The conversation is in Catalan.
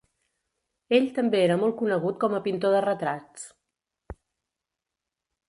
Ell també era molt conegut com a pintor de retrats.